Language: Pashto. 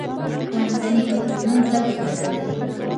منځني بدلونونه لږه ګټه لري.